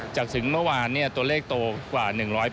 จากถึงเมื่อวานตัวเลขโตกว่า๑๐๐